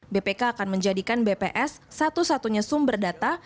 bpk akan menjadikan bps satu satunya sumber data